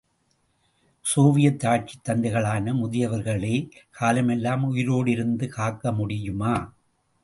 Soviet ஆட்சித் தந்தைகளான முதியவர்களே, காலமெல்லாம், உயிரோடிருந்து, காக்க முடியுமா?